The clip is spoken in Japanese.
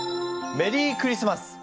メリークリスマス！